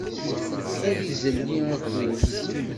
Ad izelli akud.